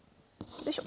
よいしょ。